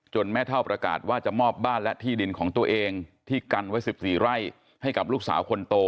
แม่เท่าประกาศว่าจะมอบบ้านและที่ดินของตัวเองที่กันไว้๑๔ไร่ให้กับลูกสาวคนโต